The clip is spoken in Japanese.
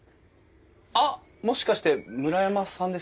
あっもしかして村山さんですか？